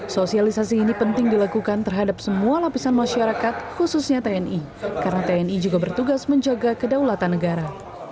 sosialisasi ini penting dilakukan terhadap semua lapisan masyarakat khususnya tni karena tni juga bertugas menjaga kedaulatan negara